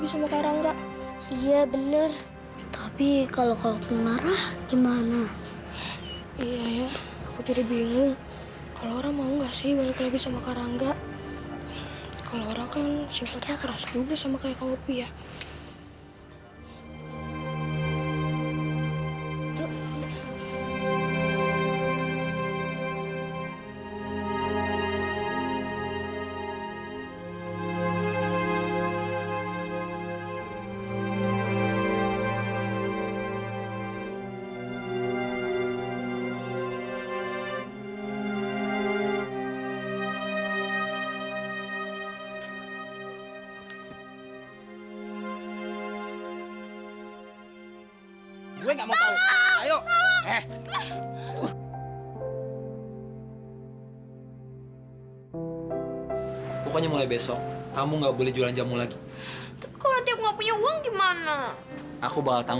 sampai jumpa di video selanjutnya